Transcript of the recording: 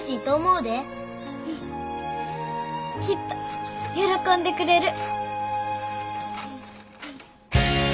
うんきっと喜んでくれる。